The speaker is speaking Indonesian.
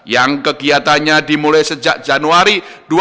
yang kegiatannya dimulai sejak januari dua ribu dua puluh